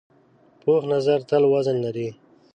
پوخ نظر تل وزن لري